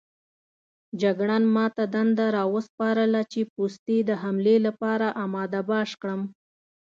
جګړن ما ته دنده راوسپارله چې پوستې د حملې لپاره اماده باش کړم.